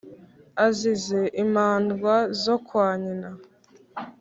azize imandwa zo kwa nyina